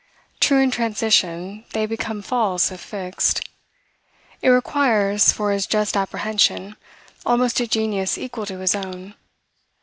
True in transition, they become false if fixed. It requires, for his just apprehension, almost a genius equal to his own.